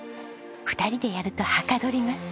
２人でやるとはかどります。